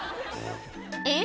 えっ？